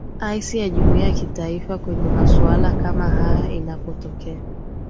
asi ya jumuiya ya kimatifa kwenye masuala kama haya inapotokea